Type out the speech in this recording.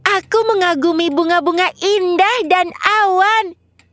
aku mengagumi bunga bunga indah dan awan